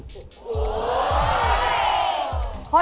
ถูกไหม